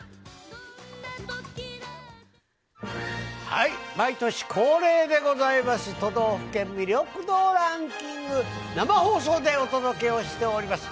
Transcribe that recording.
はい、毎年恒例でございます、都道府県魅力度ランキング、生放送でお届けをしております。